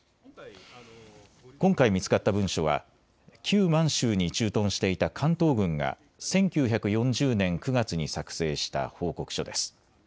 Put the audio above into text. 今回見つかった文書は旧満州に駐屯していた関東軍が１９４０年９月に作成した報告書です。